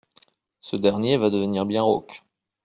Ce dernier va devenir bien rauque.